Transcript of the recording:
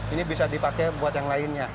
ini bisa dipakai buat yang lainnya